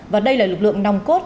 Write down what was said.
và đây là lực lượng nòng cốt